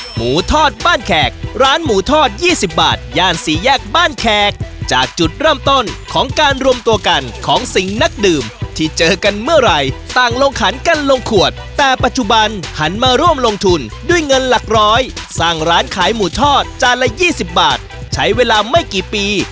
หมูทอดบ้านแขกร้านหมูทอด๒๐บาทย่านสี่แยกบ้านแขกจากจุดเริ่มต้นของการรวมตัวกันของสิ่งนักดื่มที่เจอกันเมื่อไหร่ต่างลงขันกันลงขวดแต่ปัจจุบันหันมาร่วมลงทุนด้วยเงินหลักร้อยสร้างร้านขายหมูทอดจานละ๒๐บาทใช้เวลาไม่กี่ปี